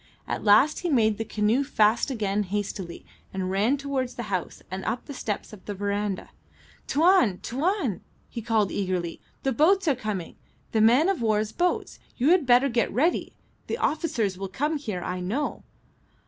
At last he made the canoe fast again hastily, and ran towards the house and up the steps of the verandah. "Tuan! Tuan!" he called, eagerly. "The boats are coming. The man of war's boats. You had better get ready. The officers will come here, I know."